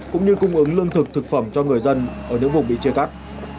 cũng như cung ứng lương thực thực phẩm cho người dân ở những vùng bị chia cắt